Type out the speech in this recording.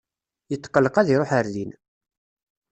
Yetqelleq ad iruḥ ɣer din.